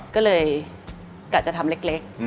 ก็เลยกะจะทำเล็ก